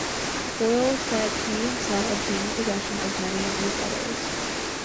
Boyle said he himself obtained possession of many of these letters.